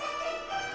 vào mỗi dịp cuối tuần